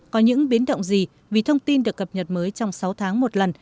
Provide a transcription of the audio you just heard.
có những biến động gì vì thông tin được cập nhật mới trong sáu tháng một lần